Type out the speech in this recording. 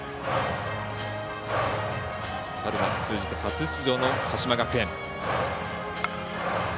春夏通じて初出場の鹿島学園。